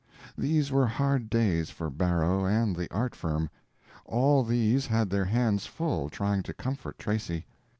These were hard days for Barrow and the art firm. All these had their hands full, trying to comfort Tracy.